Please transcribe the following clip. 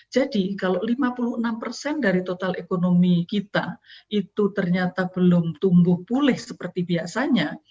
jadi kalau lima puluh enam persen dari total ekonomi kita itu ternyata belum tumbuh pulih seperti biasanya